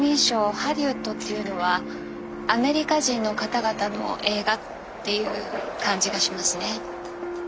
ハリウッドっていうのはアメリカ人の方々の映画っていう感じがしますね。